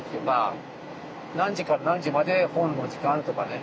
何時から何時まで本の時間とかね。